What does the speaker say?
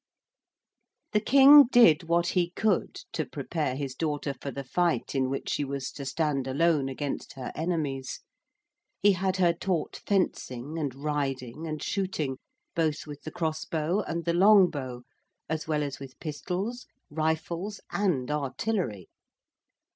The King did what he could to prepare his daughter for the fight in which she was to stand alone against her enemies. He had her taught fencing and riding and shooting, both with the cross bow and the long bow, as well as with pistols, rifles, and artillery.